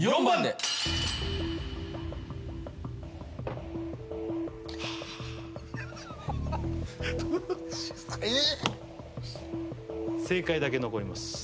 ４番で４番！はえっ正解だけ残ります